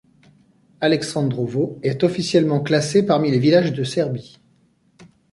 Aleksandrovo est officiellement classé parmi les villages de Serbie.